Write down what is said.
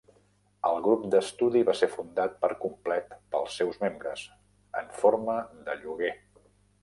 El grup d"estudi va ser fundat per complet pels seus membres, en forma de lloguer.